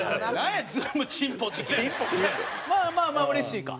まあまあうれしいか。